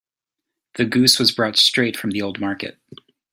The goose was brought straight from the old market.